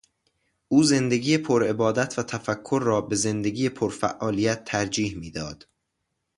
او زندگی پر عبادت و تفکر را به زندگی پرفعالیت ترجیح میداد.